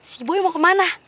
si boy mau kemana